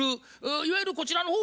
いわゆるこちらの方はですね